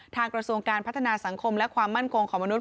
กระทรวงการพัฒนาสังคมและความมั่นคงของมนุษย